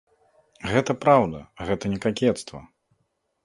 Гэта праўда, гэта не какецтва.